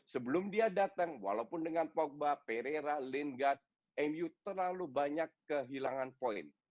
sebelum dia datang walaupun dengan pogba perera linggat mu terlalu banyak kehilangan poin